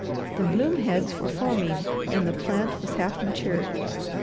The bloom heads were forming and the plant was half matured.